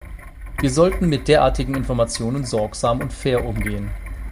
Wir sollten mit derartigen Informationen sorgsam und fair umgehen.